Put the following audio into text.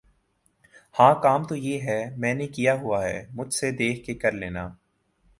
ہاں کام تو ہے۔۔۔ میں نے کیا ہوا ہے مجھ سے دیکھ کے کر لینا۔